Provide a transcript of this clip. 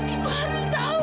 ibu harus tahu